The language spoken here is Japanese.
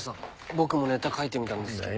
僕もネタ書いてみたんですけど。